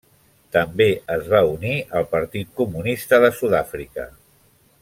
També es va unir al Partit Comunista de Sud-àfrica.